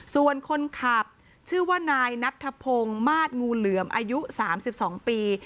ส่วนคนขับชื่อว่านายนัทธพงศ์มาสงูเหลือมอายุ๓๒ปี